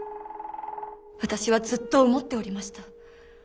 私はずっと思っておりました。